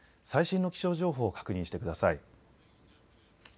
最新の気象情報を確認してください。